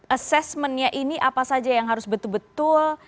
assessmentnya ini apa saja yang harus betul betul